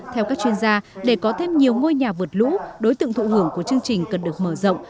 theo các chuyên gia để có thêm nhiều ngôi nhà vượt lũ đối tượng thụ hưởng của chương trình cần được mở rộng